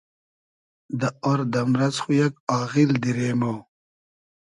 دۂ آر دئمرئس خو یئگ آغیل دیرې مۉ